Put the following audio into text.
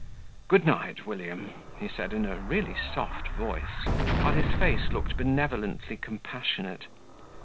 "Good night, William," he said, in a really soft voice, while his face looked benevolently compassionate.